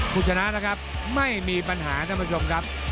คุณชนะนะครับไม่มีปัญหาท่านผู้ชมครับ